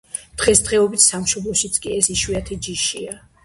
დღესდღეობით სამშობლოშიც კი ეს იშვიათი ჯიშია.